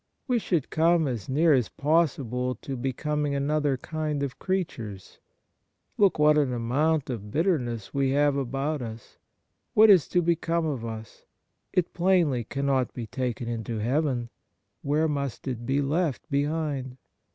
We should come as near as possible to becoming another kind of creatures. Look what an amount of bitterness we have about us ! What is to become of it ? It plainly cannot be taken into heaven. Where must it be left be hind